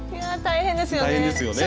いや大変ですよね。